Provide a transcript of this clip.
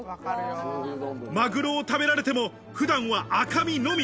マグロを食べられても普段は赤身のみ。